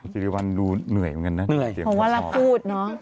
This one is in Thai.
สิริวัลดูเหนื่อยเหมือนกันนะเหนื่อยผมว่ารักพูดเนอะ